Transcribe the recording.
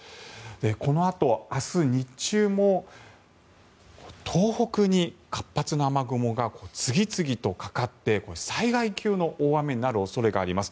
このあと、明日日中も東北に活発な雨雲が次々とかかって災害級の大雨になる恐れがあります。